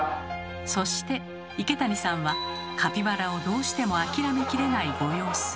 そして池谷さんはカピバラをどうしても諦めきれないご様子。